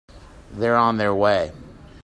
They're on their way.